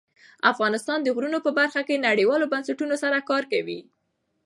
افغانستان د غرونه په برخه کې نړیوالو بنسټونو سره کار کوي.